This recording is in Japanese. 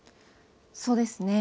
そうですね。